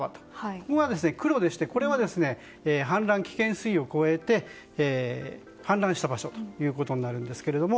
ここが黒でしてこれは氾濫危険水位を超えて氾濫した場所ということになるんですけれども。